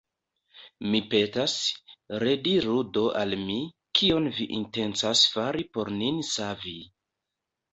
Mi petas, rediru do al mi, kion vi intencas fari por nin savi.